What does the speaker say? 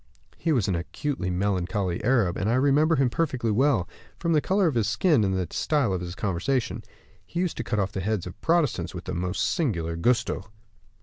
He was an acutely melancholy Arab, and I remember him perfectly well, form the color of his skin, and the style of his conversation. He used to cut off the heads of Protestants with the most singular gusto!"